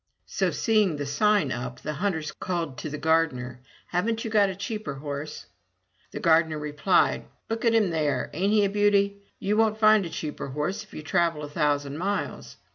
So seeing the sign up, the hunters called to the gardener: "Haven't you got a cheaper horse?" The gardener replied: "Look at him there, ain't he a beauty? You won't find a cheaper horse if you travel a thousand miles.